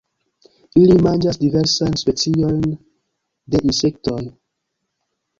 Ili manĝas diversajn specojn de insektoj.